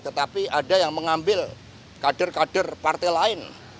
tetapi ada yang mengambil kader kader partai lain